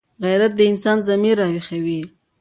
غیرت د انسان ضمیر راویښوي